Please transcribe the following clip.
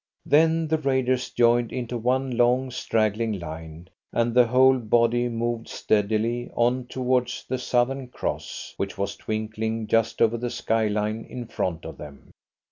Then the raiders joined into one long, straggling line, and the whole body moved steadily on towards the Southern Cross, which was twinkling just over the skyline in front of them.